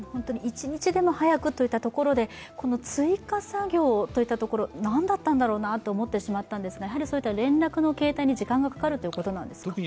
一日でも早くといったところで追加作業というところは何だったんだろうなと思ってしまったんですが、連絡の形態に時間がかかるということなんですか？